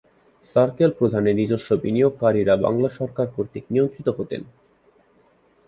Circle প্রধানের নিজস্ব বিনিয়োগকারীরা বাংলা সরকার কর্তৃক নিয়ন্ত্রিত হতেন।